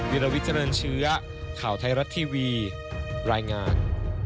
วิลวิเจริญเชื้อข่าวไทยรัฐทีวีรายงาน